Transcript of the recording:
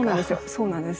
そうなんです。